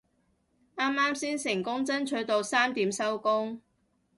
啱啱先成功爭取到三點收工